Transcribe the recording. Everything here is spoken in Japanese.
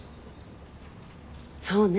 そうね